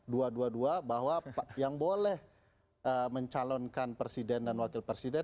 dua dua bahwa yang boleh mencalonkan presiden dan wakil presiden